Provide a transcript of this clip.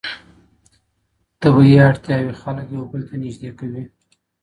طبیعي اړتیاوې خلګ یو بل ته نږدې کوي.